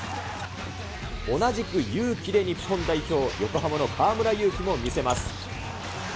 同じくゆうきで日本代表、横浜の河村勇輝も見せます。